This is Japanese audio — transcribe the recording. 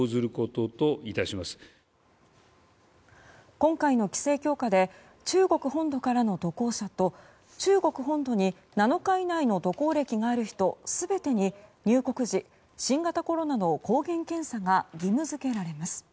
今回の規制強化で中国本土からの渡航者と中国本土に７日以内の渡航歴がある人全てに入国時、新型コロナの抗原検査が義務付けられます。